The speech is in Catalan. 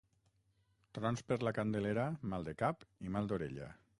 Trons per la Candelera, mal de cap i mal d'orella.